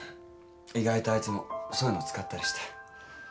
意外とあいつもそういうの使ったりして。